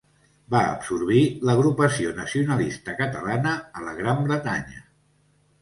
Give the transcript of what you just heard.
Va absorbir l'Agrupació Nacionalista Catalana a la Gran Bretanya.